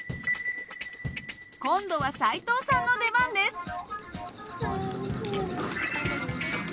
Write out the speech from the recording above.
今度は斉藤さんの出番です。